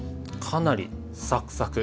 かなりサクサク。